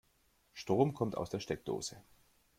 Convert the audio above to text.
Strom kommt aus der Steckdose.